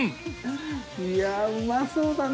いやうまそうだな。